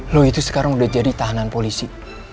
loh itu sekarang udah jadi tahanan polisi